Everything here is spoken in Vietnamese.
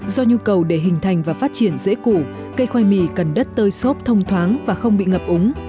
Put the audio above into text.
do nhu cầu để hình thành và phát triển dễ củ cây khoai mì cần đất tơi xốp thông thoáng và không bị ngập úng